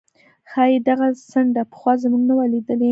ښايي دغه څنډه پخوا موږ نه وه لیدلې.